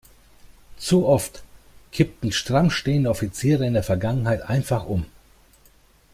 Zu oft kippten stramm stehende Offiziere in der Vergangenheit einfach um.